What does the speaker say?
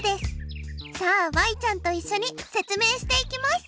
さあちゃんといっしょに説明していきます。